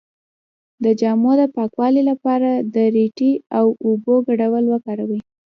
د جامو د پاکوالي لپاره د ریټې او اوبو ګډول وکاروئ